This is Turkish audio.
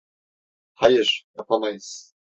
Hayır, yapamayız.